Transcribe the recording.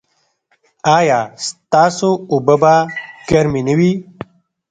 ایا ستاسو اوبه به ګرمې نه وي؟